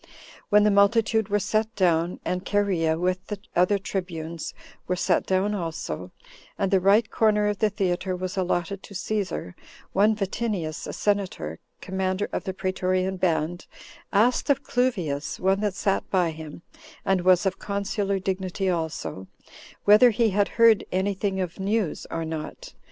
When the multitude were set down, and Cherea, with the other tribunes, were set down also, and the right corner of the theater was allotted to Cæsar, one Vatinius, a senator, commander of the praetorian band, asked of Cluvius, one that sat by him, and was of consular dignity also, whether he had heard any thing of news, or not?